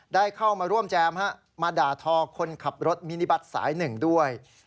ได้เข้ามาร่วมแจมมาด่าทอคนขับรถมินิบัตรสายหนึ่งด้วย